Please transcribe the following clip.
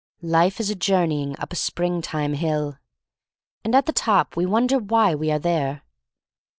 Life is a journeying up a spring time hill. And at the top we wonder why we are there.